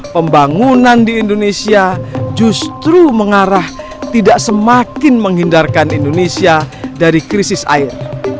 pembangunan di indonesia justru mengarah tidak semakin menghindarkan indonesia dari krisis air